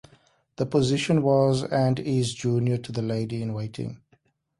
The position was and is junior to the lady-in-waiting.